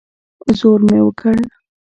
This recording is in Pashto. زور مې وکړ.